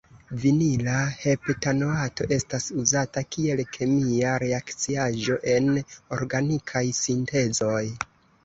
Vinila heptanoato estas uzata kiel kemia reakciaĵo en organikaj sintezoj.